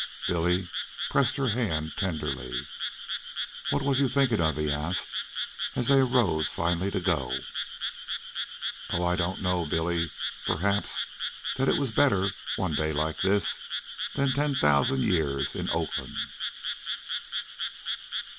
Billy pressed her hand tenderly. "What was you thinkin' of?" he asked, as they arose finally to go. "Oh, I don't know, Billy. Perhaps that it was better, one day like this, than ten thousand years in Oakland."